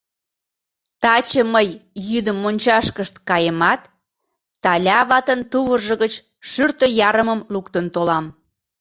Таче мый йӱдым мончашкышт каемат, Таля ватын тувыржо гыч шӱртӧ ярымым луктын толам.